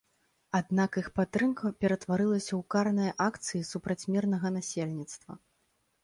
Аднак іх падтрымка ператварылася ў карныя акцыі супраць мірнага насельніцтва.